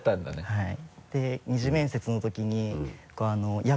はい。